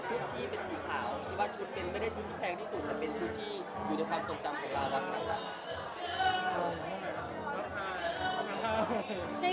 ที่เป็นสีขาวคิดว่าชุดเป็นไม่ได้ชุดที่แพงที่สุดแต่เป็นชุดที่อยู่ในความทรงจำของเรานะครับ